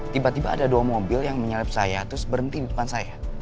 tiba tiba ada dua mobil yang menyalip saya terus berhenti di depan saya